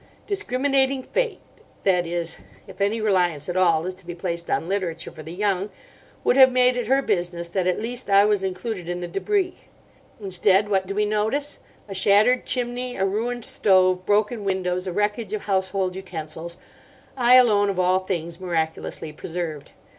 Discriminating Fate—that is, if any reliance at all is to be placed on literature for the young—would have made it her business that at least I was included in the débris. Instead, what do we notice!—a shattered chimney, a ruined stove, broken windows, a wreckage of household utensils; I, alone of all things, miraculously preserved.